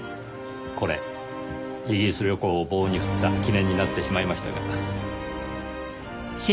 これイギリス旅行を棒に振った記念になってしまいましたが。